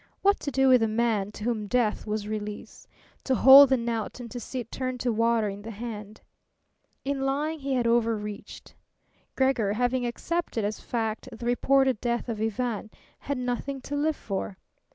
What to do with a man to whom death was release? To hold the knout and to see it turn to water in the hand! In lying he had overreached. Gregor, having accepted as fact the reported death of Ivan, had nothing to live for.